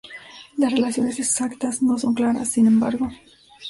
Las relaciones exactas no son claras, sin embargo.